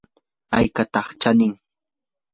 ¿aykataq chanin?